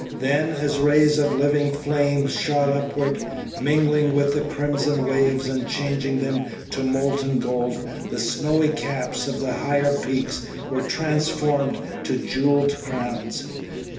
Then, as rays of living flame shot upward, mingling with the crimson waves and changing them to molten gold, the snowy caps of the higher peaks were transformed to jewelled crowns.